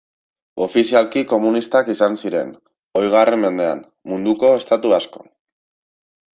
Ofizialki komunistak izan ziren, hogeigarren mendean, munduko estatu asko.